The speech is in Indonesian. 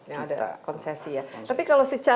ya ada konsesi ya